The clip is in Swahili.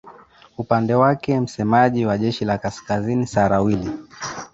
upande wake msemaji wa jeshi la kaskazini sara will